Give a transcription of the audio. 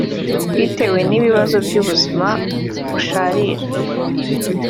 bitewe n’ibi bibazo by’ubuzima busharira